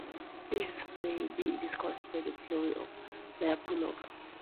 This may be discussed by the theory of Lyapunov.